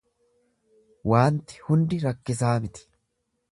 Waanti hundi rakkisaa miti.